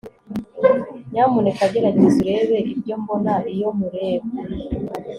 nyamuneka gerageza urebe ibyo mbona iyo nkureba